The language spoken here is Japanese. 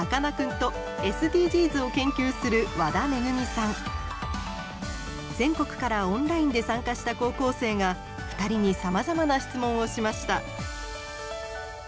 ゲストは全国からオンラインで参加した高校生が２人にさまざまな質問をしました。